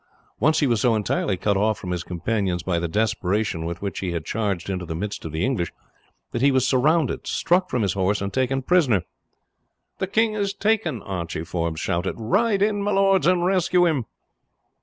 Once he was so entirely cut off from his companions by the desperation with which he had charged into the midst of the English, that he was surrounded, struck from his horse, and taken prisoner. "The king is taken!" Archie Forbes shouted; "ride in, my lords, and rescue him."